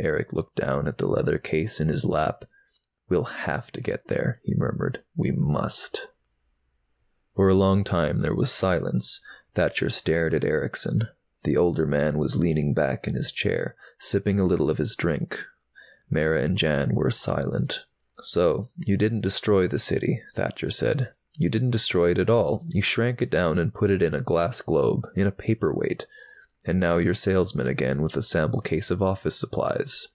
Erick looked down at the leather case in his lap. "We'll have to get there," he murmured. "We must!" For a long time there was silence. Thacher stared at Erickson. The older man was leaning back in his chair, sipping a little of his drink. Mara and Jan were silent. "So you didn't destroy the City," Thacher said. "You didn't destroy it at all. You shrank it down and put it in a glass globe, in a paperweight. And now you're salesmen again, with a sample case of office supplies!"